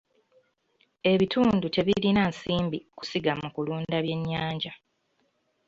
Ebitundu tebirina nsimbi kusiga mu kulunda byennyanja.